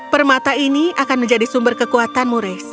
permata ini akan menjadi sumber kekuatanmu reis